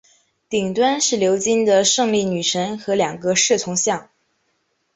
顶端是鎏金的胜利女神和两个侍从像。